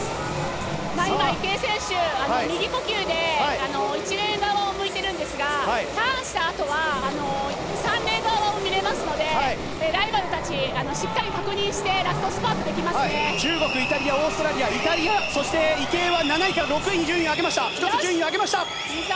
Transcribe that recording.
今、池江選手が右呼吸で１レーン側を向いているんですがターンしたあとは３レーン側を見れますのでライバルたち、しっかり確認して中国、イタリアオーストラリア池江は７位から６位に１つ順位を上げました。